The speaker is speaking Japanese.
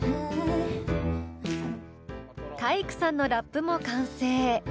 体育さんのラップも完成。